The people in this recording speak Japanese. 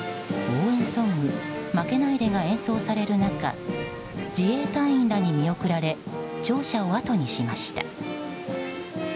応援ソング「負けないで」が演奏される中自衛隊員らに見送られ庁舎を後にしました。